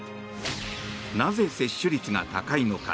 なぜ、接種率が高いのか。